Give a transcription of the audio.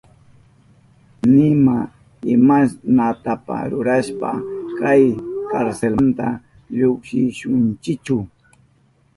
Nima imashnapas rurashpa kay karselmanta llukshishunchichu.